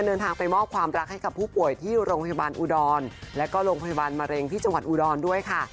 เดินทางไปมอบความรักให้กับผู้ป่วยที่โรงพยาบาลอุดรแล้วก็โรงพยาบาลมะเร็งที่จังหวัดอุดรด้วยค่ะ